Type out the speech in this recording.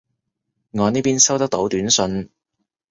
我呢邊收得到短信